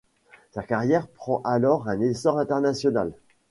Sa carrière prend alors un essor international.